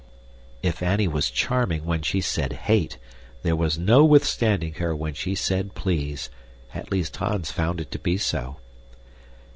If Annie was charming even when she said HATE, there was no withstanding her when she said PLEASE; at least Hans found it to be so.